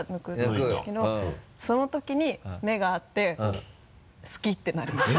その時に目が合って好きってなりました。